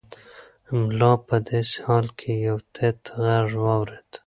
ملا په داسې حال کې یو تت غږ واورېد.